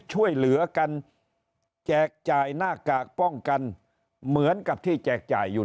ช่วยเหลือกันแจกจ่ายหน้ากากป้องกันเหมือนกับที่แจกจ่ายอยู่